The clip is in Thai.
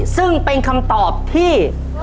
ซึ่งเป็นคำตอบที่